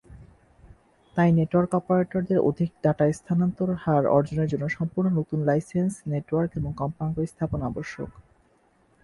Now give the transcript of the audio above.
তাই নেটওয়ার্ক অপারেটরদের অধিক ডাটা স্থানান্তর হার অর্জনের জন্য সম্পূর্ণ নতুন লাইসেন্স, নেটওয়ার্ক এবং কম্পাঙ্ক স্থাপন আবশ্যক।